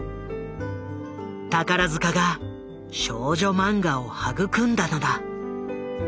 宝塚が少女マンガを育んだのだ。